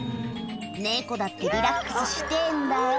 猫だって、リラックスしてーんだよ。